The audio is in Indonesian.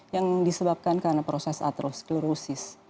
yang disebabkan karena proses atrosklerosis